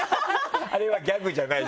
あれはギャグじゃないしね。